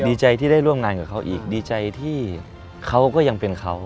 ดีใจที่ได้ร่วมงานกับเขาอีกดีใจที่เขาก็ยังเป็นเขา